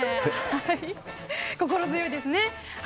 心強いですね。